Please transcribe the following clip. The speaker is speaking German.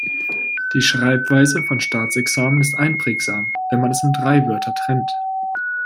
Die Schreibweise von Staatsexamen ist einprägsam, wenn man es in drei Wörter trennt.